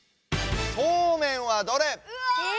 そうめんはどれ？え！